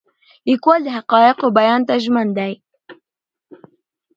لیکوال د حقایقو بیان ته ژمن دی.